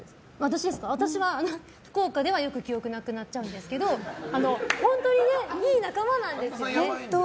私は福岡では、よく記憶なくなっちゃうんですけど本当にいい仲間なんですよね。